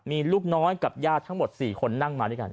มีลูกน้อยกับญาติทั้งหมด๔คนนั่งมาด้วยกัน